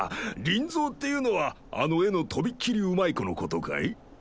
リンゾーっていうのはあの絵のとびっきりうまい子の事かい？